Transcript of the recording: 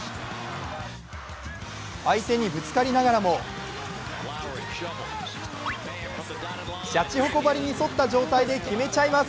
相手にぶつかりながらもしゃちほこばりに反った状態で決めちゃいます。